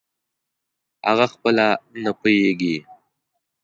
اغه خپله نه پییږي